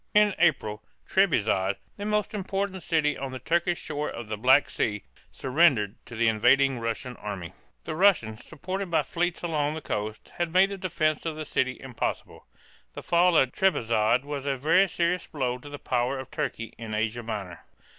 In April, Treb´izond, the most important city on the Turkish shore of the Black Sea, surrendered to the invading Russian army. The Russians, supported by fleets along the coast, had made the defense of the city impossible. The fall of Trebizond was a very serious blow to the power of Turkey in Asia Minor.